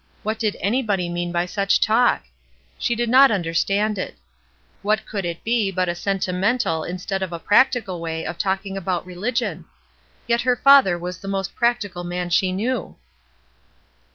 What did any body mean by such talk ? She did not under WORDS 135 stand it. What could it be but a sentimental instead of a practical way of talking about religion? Yet her father was the most prac tical man she knew.